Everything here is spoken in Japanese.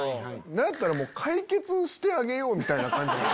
何やったら解決してあげようみたいな感じ。